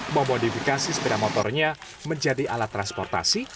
memodifikasi sepeda motornya menjadi alat transportasi